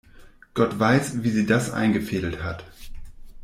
Gott weiß, wie sie das eingefädelt hat.